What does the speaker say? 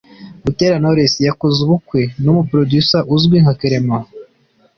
Butera knowless yakoze ubukwe numu producer uzwi nka clement